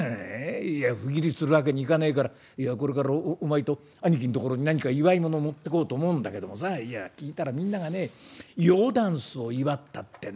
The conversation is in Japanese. いや不義理するわけにいかねえからこれからお前と兄貴んところに何か祝い物を持ってこうと思うんだけどもさいや聞いたらみんながね用だんすを祝ったってんだよ。